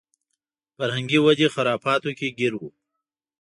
فرهنګي ودې خرافاتو کې ګیر و.